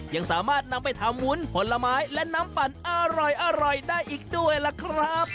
ยังสามารถนำไปทำวุ้นผลไม้และน้ำปั่นอร่อยได้อีกด้วยล่ะครับ